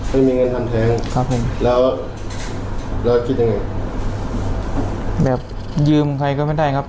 ไม่มีเงินทำแท้งครับผมแล้วเราคิดยังไงแบบยืมใครก็ไม่ได้ครับ